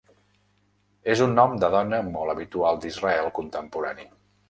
És un nom de dona molt habitual d'Israel contemporani.